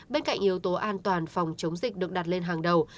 bên cạnh yếu tố an toàn phòng chống dịch được đặt lên hàng đầu